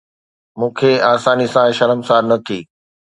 مون کي آساني سان شرمسار نه ٿي